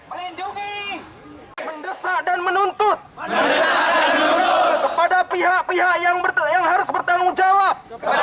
melindungi mendesak dan menuntut kepada pihak pihak yang harus bertanggung jawab